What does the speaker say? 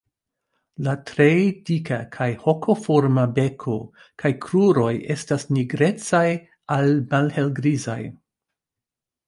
La tre dika kaj hokoforma beko kaj kruroj estas nigrecaj al malhelgrizaj.